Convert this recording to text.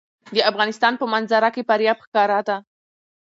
د افغانستان په منظره کې فاریاب ښکاره ده.